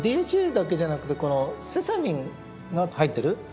ＤＨＡだけじゃなくてこのセサミンが入ってる。